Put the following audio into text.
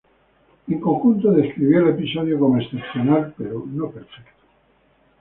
En conjunto describió el episodio como "excepcional", pero "no perfecto".